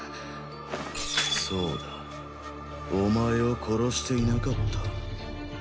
そうだお前を殺していなかった。